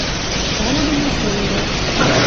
Пӓлӹдӹмеш лӹмдӓ.